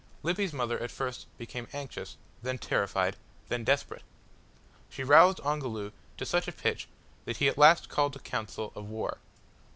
Lippy's mother at first became anxious, then terrified, then desperate. She roused Ongoloo to such a pitch that he at last called a council of war.